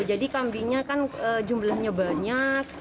jadi kambingnya kan jumlahnya banyak